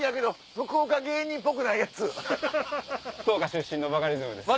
福岡出身のバカリズムです。